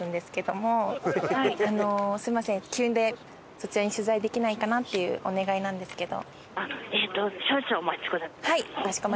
そちらに取材できないかなっていうお願いなんですけど。